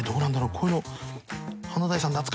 こういうの大吉）